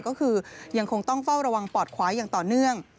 ก็คือยังคงต้องเฝ้าระวังปอดขวาอย่างต่อเนื่อง